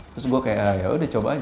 terus gue kayak yaudah coba aja